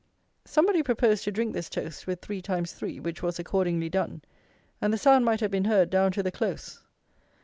Somebody proposed to drink this Toast with three times three, which was accordingly done, and the sound might have been heard down to the close.